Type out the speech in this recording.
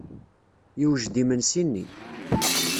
Yewjed yimensi-nni.